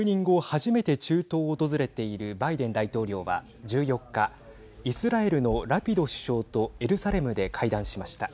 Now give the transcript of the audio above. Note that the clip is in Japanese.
初めて中東を訪れているバイデン大統領は１４日イスラエルのラピド首相とエルサレムで会談しました。